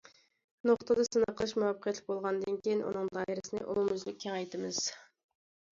نۇقتىدا سىناق قىلىش مۇۋەپپەقىيەتلىك بولغاندىن كېيىن، ئۇنىڭ دائىرىسىنى ئومۇميۈزلۈك كېڭەيتىمىز.